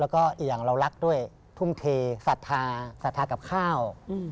แล้วก็อีกอย่างเรารักด้วยทุ่มเทสัธากับข้าว